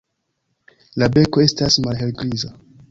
La beko estas malhelgriza.